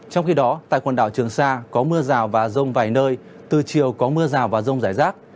trong khi đó tại quần đảo trường sa có mưa rào và rông vài nơi từ chiều có mưa rào và rông rải rác